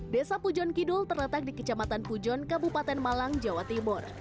desa pujon kidul terletak di kecamatan pujon kabupaten malang jawa timur